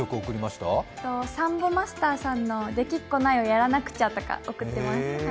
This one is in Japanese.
サンボマスターさんの「できっこないをやらなくちゃ」とかを送ってます。